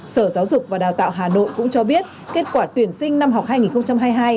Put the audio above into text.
sở giáo dục và đào tạo hà nội cũng cho biết kết quả tuyển sinh năm học hai nghìn hai mươi hai hai nghìn hai mươi ba